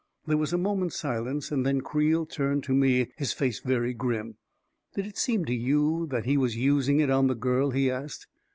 There was a moment's silence, then Creel turned to me, his face very grim. " Did it seem to you that he was using it on the girl ?" he asked.